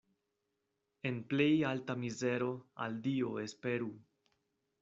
En plej alta mizero al Dio esperu.